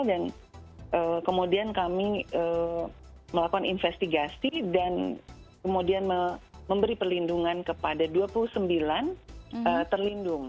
dan kemudian kami melakukan investigasi dan kemudian memberi perlindungan kepada dua puluh sembilan terlindung